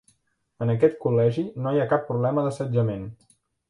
En aquest col·legi no hi ha cap problema d'assetjament.